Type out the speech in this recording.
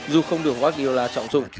dù không được guardiola trọng dụng